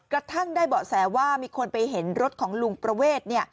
กระทั่งได้เบาะแสว่ามีคนไปเห็นรถของลุงประเวท